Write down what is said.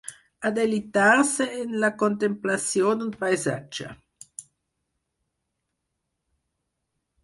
Adelitar-se en la contemplació d'un paisatge.